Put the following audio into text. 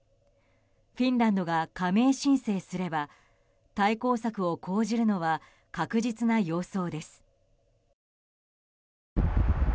フィンランドが加盟申請すれば対抗策を講じるのは確実な様相です。